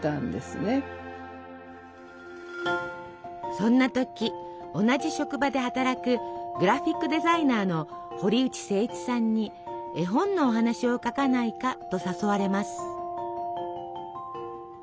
そんな時同じ職場で働くグラフィックデザイナーの堀内誠一さんに絵本のお話を書かないかと誘われます。